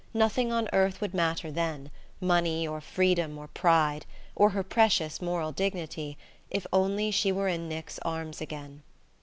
Nothing on earth would matter then money or freedom or pride, or her precious moral dignity, if only she were in Nick's arms again!